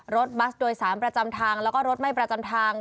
บัสโดยสารประจำทางแล้วก็รถไม่ประจำทาง